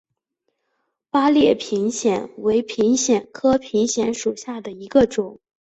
八列平藓为平藓科平藓属下的一个种。